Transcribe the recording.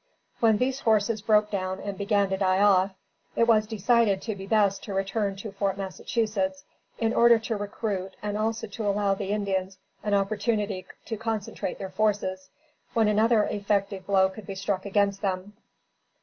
When these horses broke down and began to die off, it was decided to be best to return to Fort Massachusetts in order to recruit and also to allow the Indians an opportunity to concentrate their forces, when another effective blow could be struck against them.